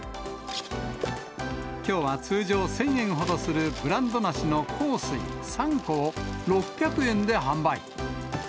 きょうは通常１０００円ほどするブランド梨の幸水３個を、６００円で販売。